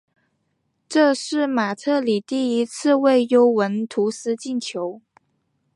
这是马特里第一次为尤文图斯进球。